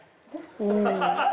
うん。